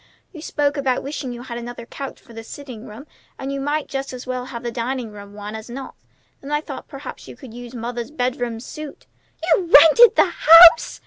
You spoke about wishing you had another couch for the sitting room, and you might just as well have the dining room one as not. Then I thought perhaps you could use mother's bedroom suit." "You've rented the house!"